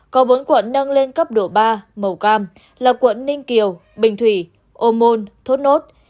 có bốn quận nâng lên cấp độ ba màu cam là quận ninh kiều bình thủy ô môn thốt nốt